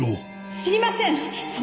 知りません！